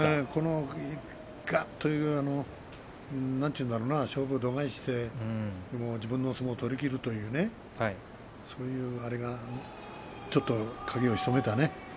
がっというなんて言うんだろうな自分の相撲を取りきるというねそういうあれがちょっと影を潜めたね。